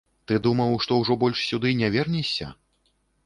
Ты думаў, што ўжо больш сюды не вернешся?